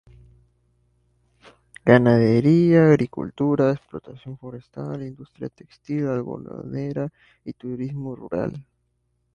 Ganadería, agricultura, explotación forestal, industria textil algodonera y turismo rural.